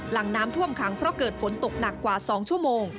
หลังน้ำท่วมขังเพราะเกิดฝนตกหนักกว่า๒ชั่วโมง